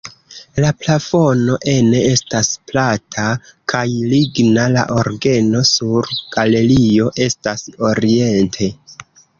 La plafono ene estas plata kaj ligna, la orgeno sur galerio estas oriente.